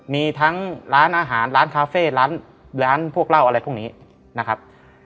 มีทั้งร้านอาหารร้านคาเฟ่ร้านพวกเหล้าอะไรพวกนี้นะครับ